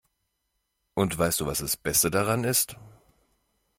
Und weißt du, was das Beste daran ist?